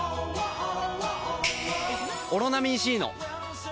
「オロナミン Ｃ」の！